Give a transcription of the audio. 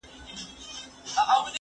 که دي دا هډوکی وکېښ زما له ستوني